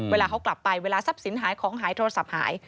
เวลาเขากลับไปเวลาทรัพย์สินหายของหายโทรศัพท์หาย